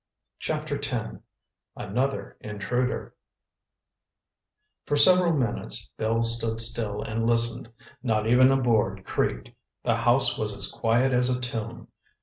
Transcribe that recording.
Chapter X ANOTHER INTRUDER For several minutes Bill stood still and listened. Not even a board creaked. The house was as quiet as a tomb.